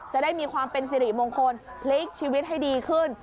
จะได้มีความเป็นสิริมงคลพลิกชีวิตให้ดีขึ้น